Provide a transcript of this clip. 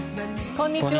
こんにちは。